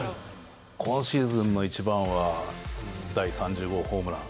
今シーズンの一番は、第３０号ホームラン。